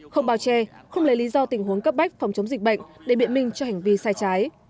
không bao che không lấy lý do tình huống cấp bách phòng chống dịch bệnh để biện minh cho hành vi sai trái